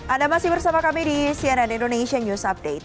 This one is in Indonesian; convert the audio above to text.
anda masih bersama kami di cnn indonesian news update